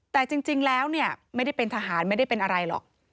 แต่จริงแล้วเนี่ยไม่ได้เป็นทหารไม่ได้เป็นอะไรหรอก